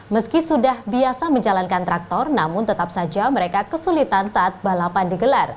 meski sudah biasa menjalankan traktor namun tetap saja mereka kesulitan saat balapan digelar